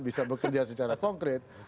bisa bekerja secara konkret